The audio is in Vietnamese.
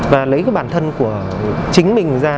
và lấy cái bản thân của chính mình ra